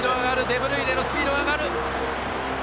デブルイネのスピードが上がる。